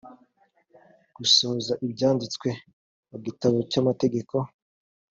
gusohoza ibyanditswe mu gitabo cy amategeko